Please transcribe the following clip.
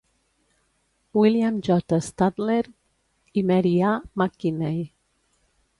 William J. Statler i Mary A. McKinney.